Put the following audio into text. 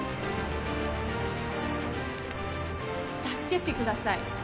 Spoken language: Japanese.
助けてください